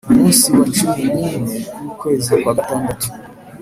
Umunsi wa cumi n ine w ukwezi kwa gatandatu